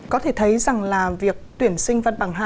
có thể thấy rằng là việc tuyển sinh văn bằng hai